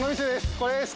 これです。